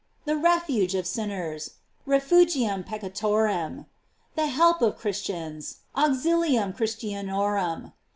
The Refuge of sin ners: "Refugium peccatorem." The Help of Christians: "Auxiliumchristianorum."